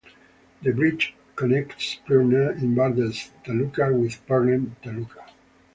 The bridge connects Pirna in Bardez "taluka" with Pernem "taluka".